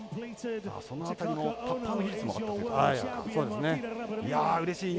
その辺りタッパーの技術もあったということでしょうか。